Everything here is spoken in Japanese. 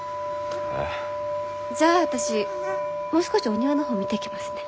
じゃあ私もう少しお庭の方見ていきますね。